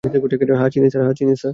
হ্যা, চিনি স্যার।